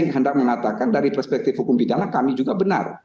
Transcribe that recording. tapi saya ingin mengatakan dari perspektif hukum pidana kami juga benar